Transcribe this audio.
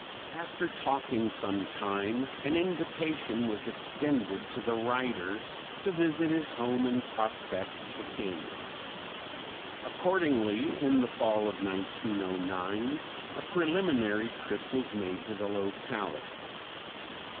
After talking some time an invitation was extended to the writer to visit his home and prospect the cañon. Accordingly in the fall of 1909 a preliminary trip was made to the locality.